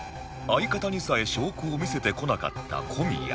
相方にさえ証拠を見せてこなかった小宮